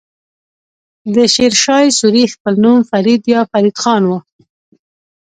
د شير شاه سوری خپل نوم فريد يا فريد خان وه.